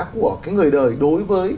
của cái người đời đối với